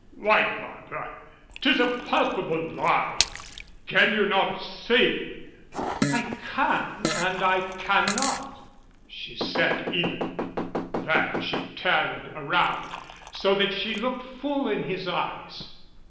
"Why, Barbara, 'tis a palpable lie! Can you not see " "I can and I cannot," she said, evenly. Then she turned around, so that she looked full in his eyes.